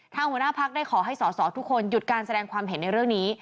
หัวหน้าพักได้ขอให้สอสอทุกคนหยุดการแสดงความเห็นในเรื่องนี้